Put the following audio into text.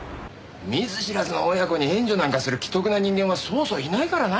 見ず知らずの親子に援助なんかする奇特な人間はそうそういないからな。